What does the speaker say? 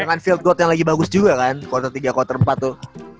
dengan field goal yang lagi bagus juga kan quarter tiga quarter empat tuh